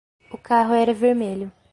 O carro era vermelho.